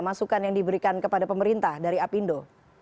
masukan yang diberikan kepada pemerintah dari apindo